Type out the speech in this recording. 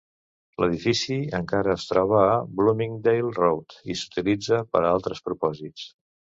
L'edifici encara es troba a Bloomingdale Road i s'utilitza per a altres propòsits.